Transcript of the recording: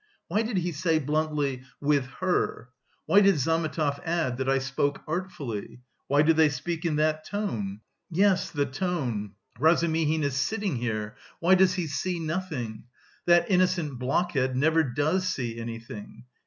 Why did he say bluntly, 'With her'? Why did Zametov add that I spoke artfully? Why do they speak in that tone? Yes, the tone.... Razumihin is sitting here, why does he see nothing? That innocent blockhead never does see anything!